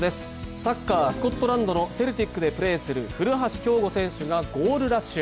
サッカー、スコットランドのセルティックでプレーする古橋亨梧選手がゴールラッシュ。